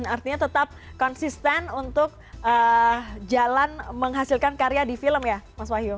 artinya tetap konsisten untuk jalan menghasilkan karya di film ya mas wahyu